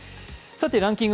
ランキング